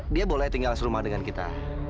dia boleh tinggal serumah dengan kita